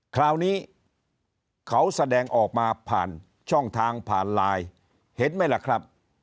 คราวนี้เขาแสดงออกมาผ่านช่องทางผ่านไลน์เห็นไหมล่ะครับ